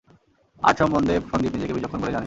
Art সম্বন্ধে সন্দীপ নিজেকে বিচক্ষণ বলেই জানেন।